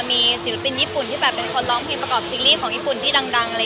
มีศิลปินญี่ปุ่นที่แบบเป็นคนร้องเพลงประกอบซีรีส์ของญี่ปุ่นที่ดัง